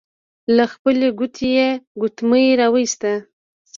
له خپلې ګوتې يې ګوتمۍ را وايسته.